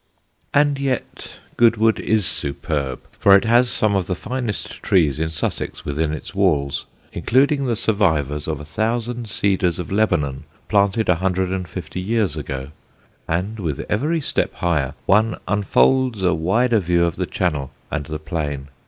And yet Goodwood is superb, for it has some of the finest trees in Sussex within its walls, including the survivors of a thousand cedars of Lebanon planted a hundred and fifty years ago; and with every step higher one unfolds a wider view of the Channel and the plain.